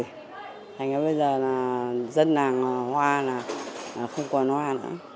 thế thành bây giờ là dân làng hoa là không còn hoa nữa